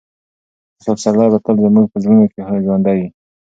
استاد پسرلی به تل زموږ په زړونو کې ژوندی وي.